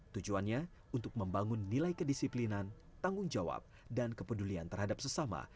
tujuannya untuk membangun nilai kedisiplinan tanggung jawab dan kepedulian terhadap sesama